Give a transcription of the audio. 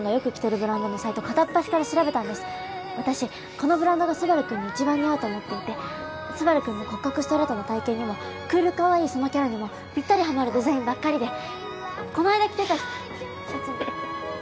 このブランドがスバルくんに一番似合うと思っていてスバルくんの骨格ストレートの体型にもクールかわいいそのキャラにもぴったりはまるデザインばっかりでこの間着てたシャツもフフフッ